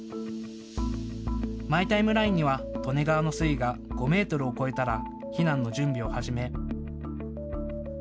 マイ・タイムラインには利根川の水位が５メートルを超えたら避難の準備を始め。